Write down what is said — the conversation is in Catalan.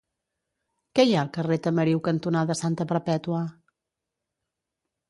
Què hi ha al carrer Tamariu cantonada Santa Perpètua?